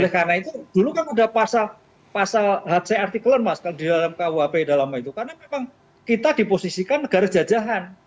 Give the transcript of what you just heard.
oleh karena itu dulu kan ada pasal hc artikelan mas di dalam kuhp karena memang kita diposisikan negara jajahan